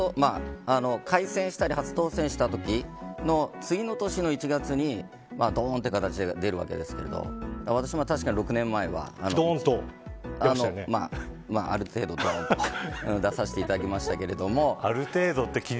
改選したり、初当選したときの次の年の１月にどーんという形で出るわけですが私は確かに６年前はまあ、ある程度どーんと出させていただきましたけど。